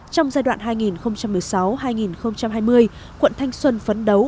trong giai đoạn hai nghìn một mươi sáu hai nghìn hai mươi quận thanh xuân phấn đấu